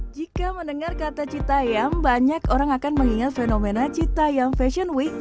jika mendengar kata cita yam banyak orang akan mengingat fenomena cita yam fashion week